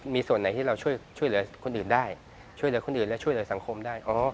มีส่วนไหนที่เราช่วยเหลือคนอื่นได้ช่วยเหลือคนอื่นและช่วยเหลือสังคมได้